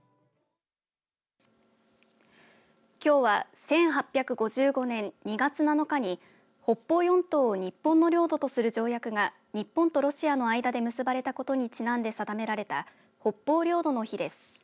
きょうは１８５５年２月７日に北方四島を日本の領土とする条約が日本とロシアの間で結ばれたことにちなんで定められた北方領土の日です。